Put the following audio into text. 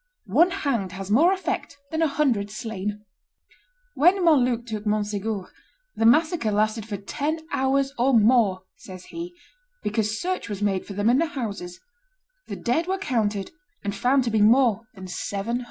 One hanged has more effect than a hundred slain." When Montluc took Monsegur, "the massacre lasted for ten hours or more," says he, "because search was made for them in the houses; the dead were counted and found to be more than seven hundred."